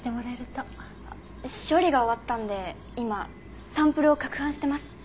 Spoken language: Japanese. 処理が終わったんで今サンプルを攪拌してます。